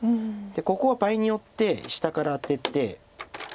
ここは場合によって下からアテて。